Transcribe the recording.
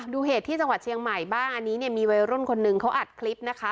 เหตุที่จังหวัดเชียงใหม่บ้างอันนี้เนี่ยมีวัยรุ่นคนหนึ่งเขาอัดคลิปนะคะ